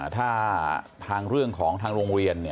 ถ้าทางเรื่องของทางโรงเรียน